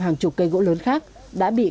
hàng chục cây gỗ lớn khác đã bị